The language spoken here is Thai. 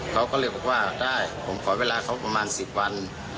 เขาก็เลยบอกว่าได้ผมขอเวลาเขาประมาณ๑๐วัน